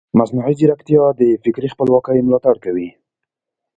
مصنوعي ځیرکتیا د فکري خپلواکۍ ملاتړ کوي.